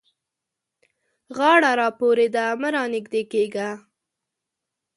غاړه را پورې ده؛ مه رانږدې کېږه.